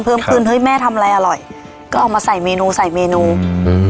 เพิ่มขึ้นเฮ้ยแม่ทำอะไรอร่อยก็เอามาใส่เมนูใส่เมนูอืม